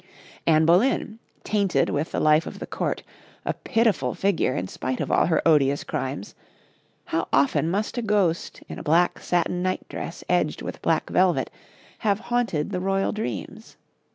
Anne Boleyn, tainted with the life of the Court, a pitiful figure in spite of all her odious crimes; how often must a ghost, in a black satin nightdress edged with black velvet, have haunted the royal dreams.